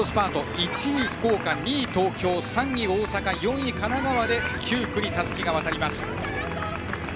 １位、福岡、２位、東京３位、大阪４位、神奈川で９区にたすきが渡ります。